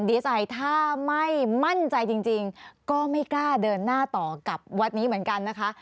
ดีใจถ้าไม่มั่นใจจริงก็ไม่กล้าเดินหน้าต่อกับวัดนี้เหมือนกันนะคะ